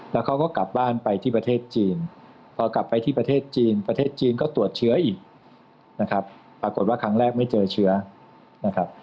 แล้วเขาก็กลับบ้านไปที่ประเทศจีนพอกลับไปที่ประเทศจีนประเทศจีนก็ตรวจเชื้ออีกนะครับปรากฏว่าครั้งแรกไม่เจอเชื้อนะครับ